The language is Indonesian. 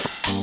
tuh gue tau